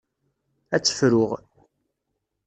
Ad tt-fruɣ.